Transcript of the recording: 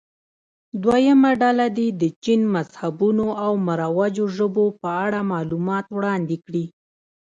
دویمه ډله دې د چین مذهبونو او مروجو ژبو په اړه معلومات وړاندې کړي.